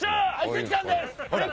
関さんです！